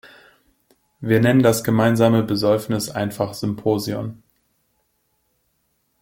Wir nennen das gemeinsame Besäufnis einfach Symposion.